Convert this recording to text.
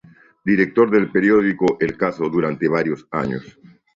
Director del periódico "El Caso" durante varios años.